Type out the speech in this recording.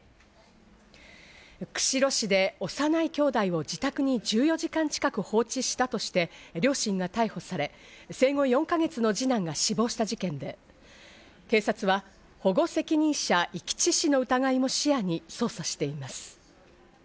釧路市で幼い兄弟を自宅に１４時間近く放置したとして、両親が逮捕され、生後４ヶ月の二男が死亡した事件で、警察は保護責任者遺棄致死の疑いも視野に捜査しています。